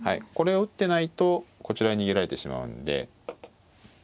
これを打ってないとこちらに逃げられてしまうんで。